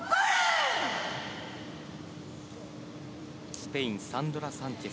スペイン、サンドラ・サンチェス。